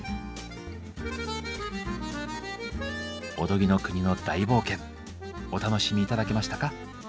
おとぎの国の大冒険お楽しみ頂けましたか？